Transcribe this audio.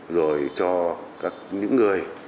rồi cho những người